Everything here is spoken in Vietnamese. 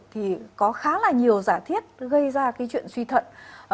thì có khá là nhiều giả thiết gây ra cái chuyện suy thận